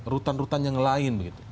rutan rutan yang lain